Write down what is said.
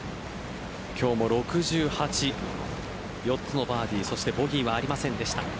今日も６８４つのバーディーそしてボギーはありませんでした。